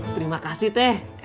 terima kasih teh